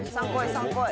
３こい！